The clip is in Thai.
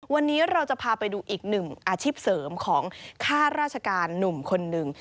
วันนี้เราจะพาไปดูอีกหนึ่งอาชีพเสริมของค่าราชการหนุ่มคนหนึ่ง